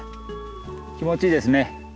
気持ちいいですね。